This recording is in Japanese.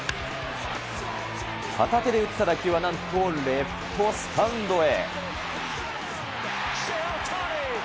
片手で打った打球はなんとレフトスタンドへ。